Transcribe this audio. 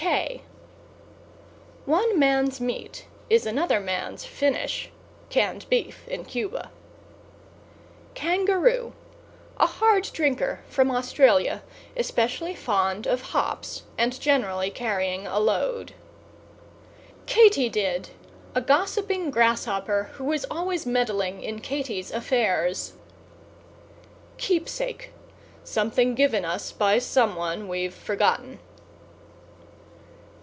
K One man's meat is another man's finish Canned Beef in Cuba. =KANGAROO= A hard drinker from Australia, especially fond of hops, and generally carrying a load. =KATYDID= A gossiping grasshopper who is always meddling in Katy's affairs. =KEEPSAKE= Something given us by someone we've forgotten.